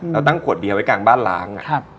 ตั้งขวดเบียร์ไว้กลางบ้านล้าง